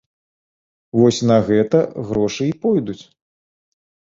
Вось на гэта грошы і пойдуць.